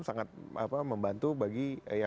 sangat membantu bagi